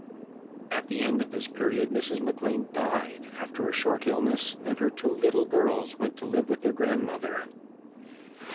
At the end of this period Mrs. Maclean died, after a short illness, and her two little girls went to live with their grandmother.